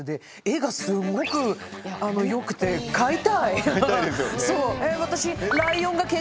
絵がすごく良くて買いたいですよね。